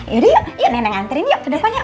yaudah yuk yuk nenek ngantriin yuk ke depannya